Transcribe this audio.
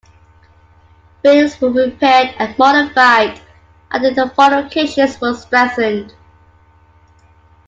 Buildings were repaired and modified, and the fortifications were strengthened.